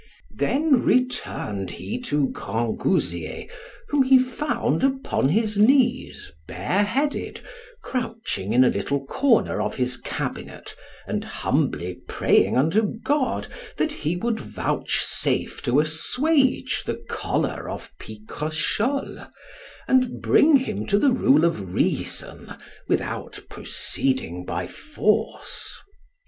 Then returned he to Grangousier, whom he found upon his knees bareheaded, crouching in a little corner of his cabinet, and humbly praying unto God that he would vouchsafe to assuage the choler of Picrochole, and bring him to the rule of reason without proceeding by force.